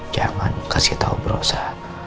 jangan kasih tahu bu rosa